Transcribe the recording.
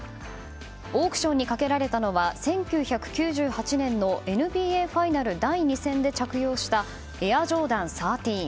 オークションにかけられたのは１９９８年のＮＢＡファイナル第２戦で着用したエアジョーダン１３。